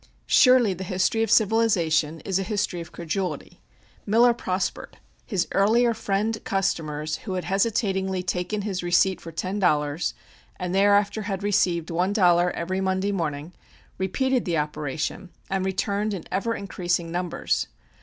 Surely the history of civilization is a history of credulity. Miller prospered. His earlier friend customers who had hesitatingly taken his receipt for ten dollars, and thereafter had received one dollar every Monday morning, repeated the operation and returned in ever increasing numbers.